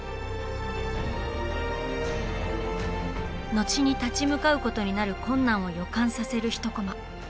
後に立ち向かうことになる困難を予感させる１コマ。